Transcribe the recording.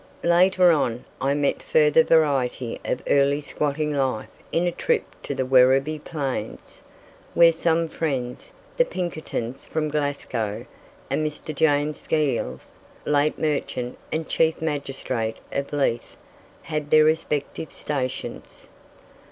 Later on, I met further variety of early squatting life in a trip to the Werribee Plains, where some friends, the Pinkertons from Glasgow, and Mr. James Sceales, late merchant and Chief Magistrate of Leith, had their respective stations.